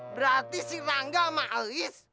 berarti si rangga sama alis